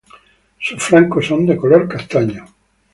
Sus flancos son de color castaño.